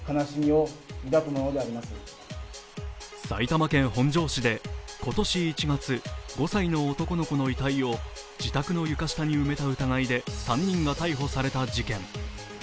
埼玉県本庄市で今年１月、５歳の男の子の遺体を自宅の床下に埋めた疑いで３人が逮捕された事件。